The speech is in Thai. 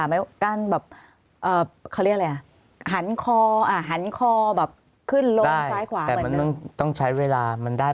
ไม่ว่าการแบบคันอะไรหันคออ่ะหันคอแบบคุ้นลงซ้ายขวาต้องใช้เวลามันได้